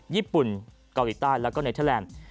ญี่ปุ่นเกาหลีใต้แล้วก็เนเทอร์แลนด์